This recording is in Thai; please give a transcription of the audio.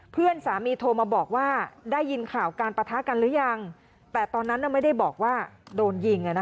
เพื่อนสามีโทรมาบอกว่าได้ยินข่าวการปะทะกันหรือยังแต่ตอนนั้นไม่ได้บอกว่าโดนยิง